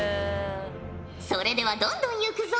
それではどんどんいくぞ。